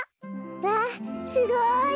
わあすごい！